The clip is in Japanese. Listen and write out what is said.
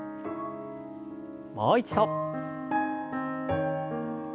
もう一度。